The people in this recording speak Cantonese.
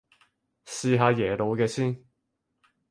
試下耶魯嘅先